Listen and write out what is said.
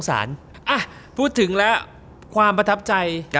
พูดถึงแล้วความประทับใจ